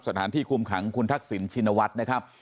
สถานที่คุมขังคุณทักษิณชินวัฒน์นะครับ